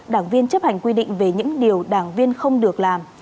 đảng viên chấp hành quy định về những điều đảng viên không được làm